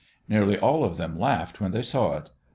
Nearly all of them laughed when they saw it.